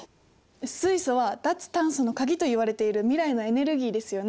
水素は脱炭素のカギといわれている未来のエネルギーですよね。